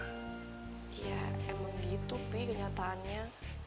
ya emang gitu sih kenyataannya